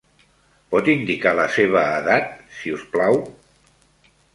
Pot indicar la seva edat, si us plau?